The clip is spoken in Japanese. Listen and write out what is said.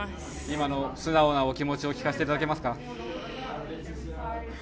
今の素直なお気持ちをお聞かせいただけますか？